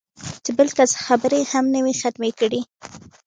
چې بل کس خبرې هم نه وي ختمې کړې